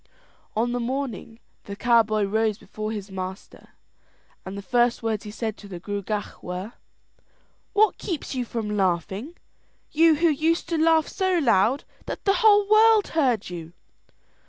On the morning the cowboy rose before his master, and the first words he said to the Gruagach were: "What keeps you from laughing, you who used to laugh so loud that the whole world heard you?"